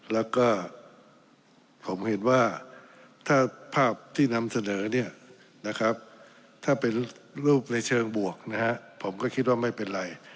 แล้วก็ผมเห็นว่าถ้าภาพที่นำเสนอเนี่ยนะครับถ้าเป็นรูปในเชิงบวกนะฮะผมก็คิดว่าไม่เป็นไร